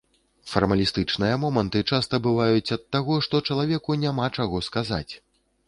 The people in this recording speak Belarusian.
Фармалістычныя моманты часта бываюць ад таго, што чалавеку няма чаго сказаць.